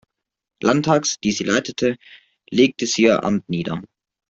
Landtags, die sie leitete, legte sie ihr Amt nieder.